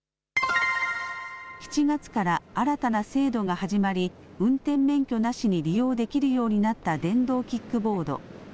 ７月から新たな制度が始まり、運転免許なしに利用できるようになった電動キックボード。